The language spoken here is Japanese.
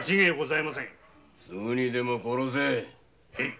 すぐにも殺せ！